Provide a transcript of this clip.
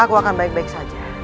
aku akan baik baik saja